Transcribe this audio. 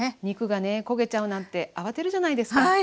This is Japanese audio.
肉がね焦げちゃうなんてあわてるじゃないですか。